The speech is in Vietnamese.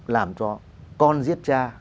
làm cho con giết cha